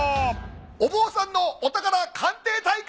お坊さんのお宝鑑定大会！